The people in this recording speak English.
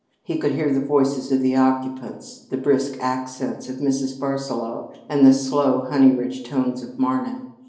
He could hear the voices of the occupants the brisk accents of Mrs. Barsaloux, and the slow, honey rich tones of Marna.